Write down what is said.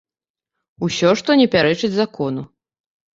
Усё, што не пярэчыць закону.